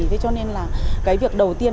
thế cho nên là cái việc đầu tiên